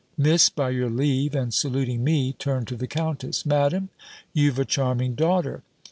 Miss, by your leave," and saluting me, turned to the countess. "Madam, you've a charming daughter!